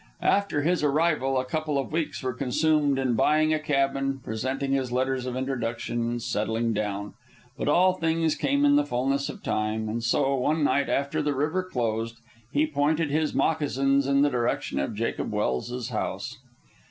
After his arrival, a couple of weeks were consumed in buying a cabin, presenting his letters of introduction, and settling down. But all things come in the fulness of time, and so, one night after the river closed, he pointed his moccasins in the direction of Jacob Welse's house.